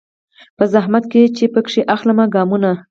په زحمت چي پکښي اخلمه ګامونه